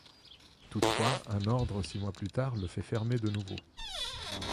Toutefois, un ordre six mois plus tard le fait fermer de nouveau.